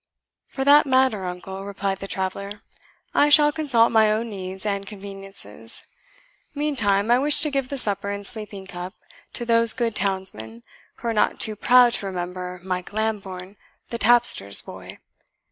"For that matter, uncle," replied the traveller, "I shall consult my own needs and conveniences. Meantime I wish to give the supper and sleeping cup to those good townsmen who are not too proud to remember Mike Lambourne, the tapster's boy.